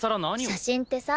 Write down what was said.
写真ってさ